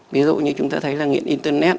ví dụ như chúng ta thấy là nghiện internet